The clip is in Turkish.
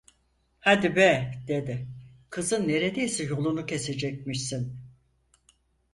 "Hadi be" dedi, "kızın neredeyse yolunu kesecekmişsin!".